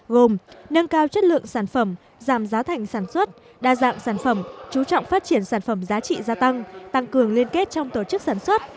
gồm nâng cao chất lượng sản phẩm giảm giá thành sản xuất đa dạng sản phẩm chú trọng phát triển sản phẩm giá trị gia tăng tăng cường liên kết trong tổ chức sản xuất